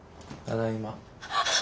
ただいま。